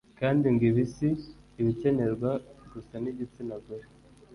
Kandi ngo ibi si ibikenerwa gusa n’igitsina gore